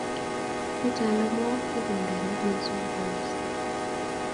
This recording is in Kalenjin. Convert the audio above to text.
ku talamwok,u benderet neisupi koristo